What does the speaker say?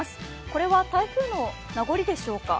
これは台風の名残でしょうか？